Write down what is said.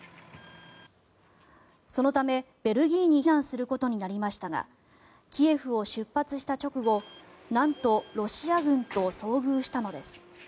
そのためベルギーに避難することになりましたがキエフを出発した直後なんとロシア軍と遭遇したのです。